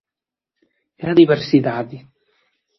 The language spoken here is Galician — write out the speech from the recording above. E a diversidade?